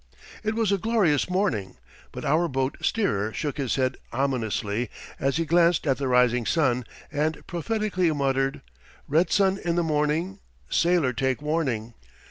It was a glorious morning, but our boat steerer shook his head ominously as he glanced at the rising sun and prophetically muttered: "Red sun in the morning, sailor take warning."